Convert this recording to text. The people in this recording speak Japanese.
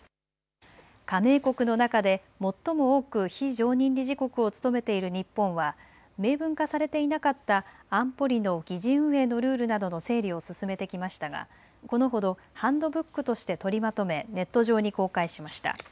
加盟国の中で最も多く非常任理事国を務めている日本は明文化されていなかった安保理の議事運営のルールなどの整理を進めてきましたが、このほどハンドブックとして取りまとめ、ネット上に公開しました。